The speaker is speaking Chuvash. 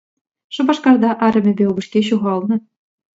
Шупашкарта арӑмӗпе упӑшки ҫухалнӑ.